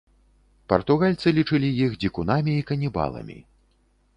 Партугальцы лічылі іх дзікунамі і канібаламі.